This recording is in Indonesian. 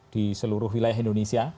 di seluruh wilayah indonesia